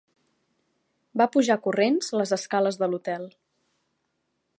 Va pujar corrents les escales de l'hotel.